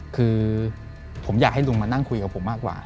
คือผมอยากให้ลุงมานั่งคุยกับผมมากกว่า